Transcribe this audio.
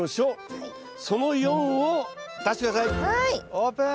オープン。